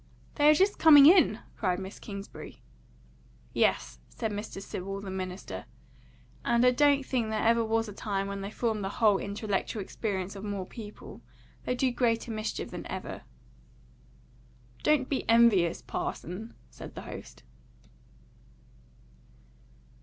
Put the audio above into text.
"They're just coming in!" cried Miss Kingsbury. "Yes," said Mr. Sewell, the minister. "And I don't think there ever was a time when they formed the whole intellectual experience of more people. They do greater mischief than ever." "Don't be envious, parson," said the host.